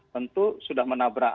tentu sudah menabrak